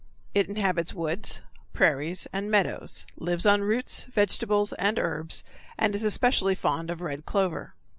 It inhabits woods, prairies, and meadows, lives on roots, vegetables, and herbs, and is especially fond of red clover.